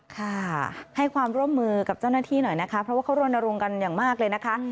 ค่ะให้ความร่วมมือกับเจ้าหน้าที่หน่อยนะคะเพราะว่าเขารณรงค์กันอย่างมากเลยนะคะ